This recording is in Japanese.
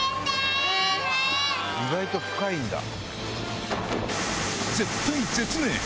意外と深いんだ。